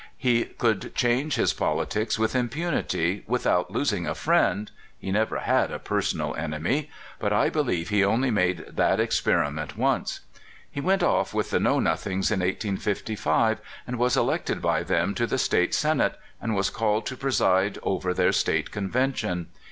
He could change his politics with impunity, without losing a friend — he never had a personal enemy — but I beheve he only made that experiment once. He went off with the Know nothings in 1855, and was elected by them to the State Senate, and was called to preside over their State Convention.